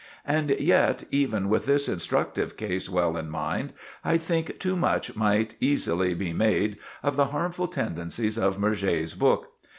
And yet, even with this instructive case well in mind, I think too much might easily be made of the harmful tendencies of Murger's book.